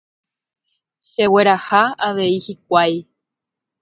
Chegueraha avei hikuái